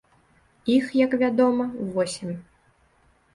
Іх, як вядома, восем.